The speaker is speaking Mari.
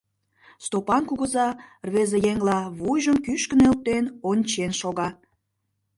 Стопан кугыза рвезыеҥла вуйжым кӱшкӧ нӧлтен ончен шога.